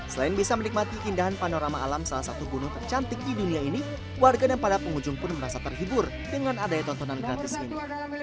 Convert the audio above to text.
selain bisa menikmati indahan panorama alam salah satu gunung tercantik di dunia ini warga dan para pengunjung pun merasa terhibur dengan adanya tontonan gratis ini